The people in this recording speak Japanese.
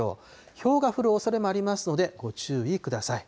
ひょうが降るおそれもありますので、ご注意ください。